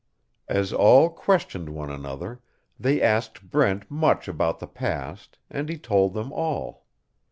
As all questioned one another, they asked Brent much about the past, and he told them all.